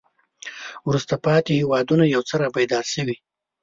وروسته پاتې هېوادونه یو څه را بیدار شوي.